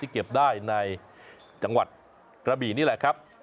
เก็บได้ในจังหวัดกระบี่นี่แหละครับ